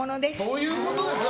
そういうことですね。